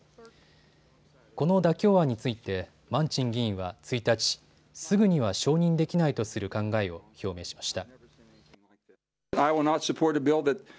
この妥協案についてマンチン議員は１日、すぐには承認できないとする考えを表明しました。